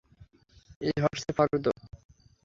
এই হচ্ছে ফর্দ।